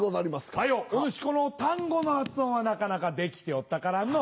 左様お主この単語の発音はなかなかできておったからのぅ。